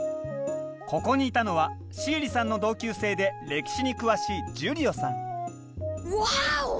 ここにいたのはシエリさんの同級生で歴史に詳しいジュリオさんワーオ！